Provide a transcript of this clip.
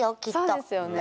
そうですよね。